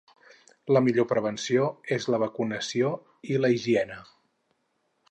La millor prevenció és la vacunació i la higiene.